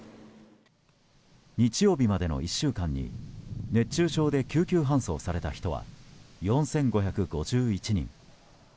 日曜日までの１週間に熱中症で救急搬送された人は４５５１人。